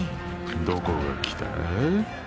どこが来た？